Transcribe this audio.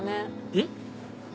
えっ？